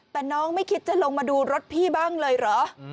แต่น้องไม่คิดจะลงมาดูรถพี่บ้างเลยเหรอ